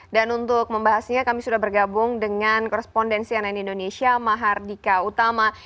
dan untuk membahasnya kami sudah bergabung dengan korespondensi ann indonesia mahardika utama